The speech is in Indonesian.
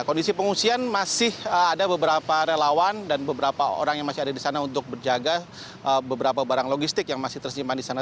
kondisi pengungsian masih ada beberapa relawan dan beberapa orang yang masih ada di sana untuk berjaga beberapa barang logistik yang masih tersimpan di sana